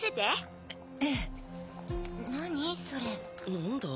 何だ？